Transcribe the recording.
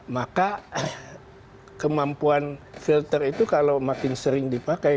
maka kemampuan filter itu kalau makin sering dipakai